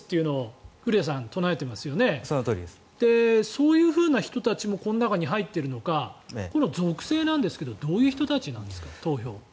そういうふうな人たちもこの中に入っているのかこの属性なんですがどういう人たちなんですか投票。